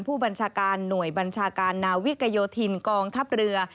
ผู้บัญชาการหน่วยบัญชาการนาวิกโยธินกองทัพเรือ